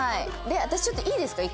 で私ちょっといいですか？